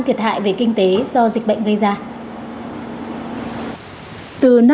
thiệt hại về kinh tế do dịch bệnh gây ra